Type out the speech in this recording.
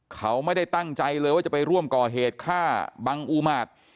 เขาไม่ได้ตั้งใจเลยว่าจะไปร่วมก่อเหตุฆ่าบังอุมาตร